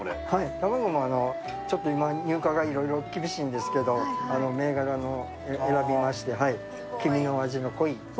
卵も今、入荷がちょっと厳しいんですけど、銘柄を選びまして黄身の味の濃い。